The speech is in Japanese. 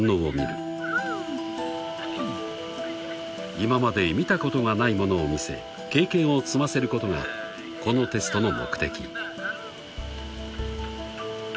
［今まで見たことがないものを見せ経験を積ませることがこのテストの目的］